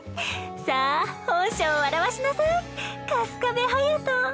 さあ本性を現しなさい粕壁隼！